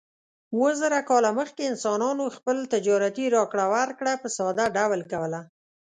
اووه زره کاله مخکې انسانانو خپل تجارتي راکړه ورکړه په ساده ډول کوله.